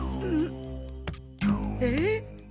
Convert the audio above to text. えっ？